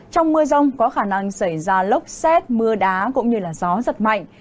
trong mưa rông có khả năng xảy ra lốc xét mưa đá cũng như gió giật mạnh